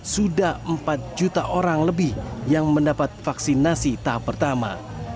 sudah empat juta orang lebih yang mendapat vaksinasi tahap pertama